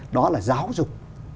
đó là giáo dục